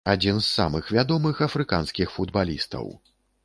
Адзін з самых вядомых афрыканскіх футбалістаў.